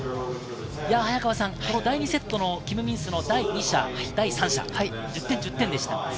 早川さん、第２セットのキム・ミンスの第２射、第３射、１０点、１０点でした。